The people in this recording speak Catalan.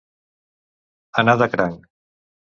Anar de cranc.